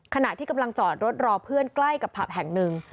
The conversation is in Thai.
ขณะที่กำลังจอดรถรอเพื่อนใกล้กับผับแห่งหนึ่ง